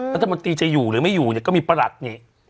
รัฐมนตรีจะอยู่หรือไม่อยู่เนี่ยก็มีประหลัดนี่